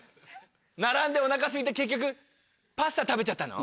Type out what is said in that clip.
並んでお腹すいて結局パスタ食べちゃったの？